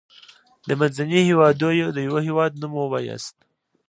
د منځني هيواد دیوه هیواد نوم ووایاست.